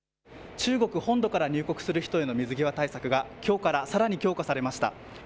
中国本土から入国する人への水際対策がきょうからさらに強化されました。